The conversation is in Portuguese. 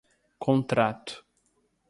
contrato